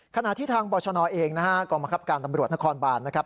ขณะที่ทางบริชนอลเองกรมกรับการตำรวจนครบาลนะครับ